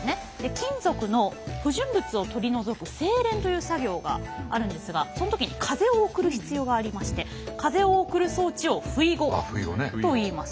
金属の不純物を取り除く製錬という作業があるんですがその時に風を送る必要がありまして風を送る装置をふいごといいます。